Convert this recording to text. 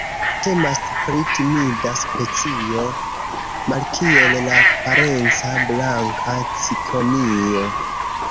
Temas pri timida specio, malkiel la parenca Blanka cikonio.